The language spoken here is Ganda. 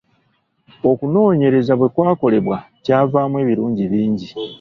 Okunoonyereza bwe kwakolebwa kwavaamu ebirungi bingi.